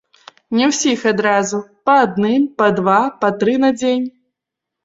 Не ўсіх адразу, па адным, па два, па тры на дзень.